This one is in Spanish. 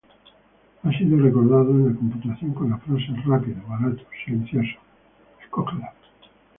Ha sido recordado en la computación con la frase "rápido, barato, silencioso: escoge dos".